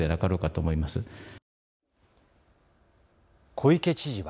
小池知事は。